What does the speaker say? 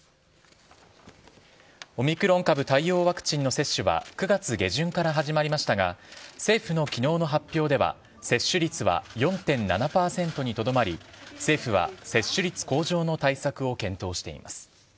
オミクロン株対応ワクチンの接種は９月下旬から始まりましたが、政府のきのうの発表では、接種率は４．７％にとどまり、政府は接種率向上の対策を検討しています。